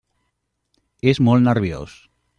És molt nerviós.